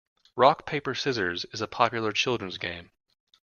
Rock, paper, scissors is a popular children's game.